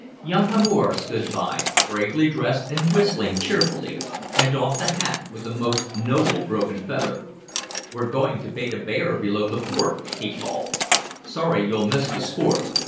Young Hamor strode by, bravely dressed and whistling cheerily, and doffed a hat with a most noble broken feather. "We're going to bait a bear below the fort!" he called. "Sorry you'll miss the sport!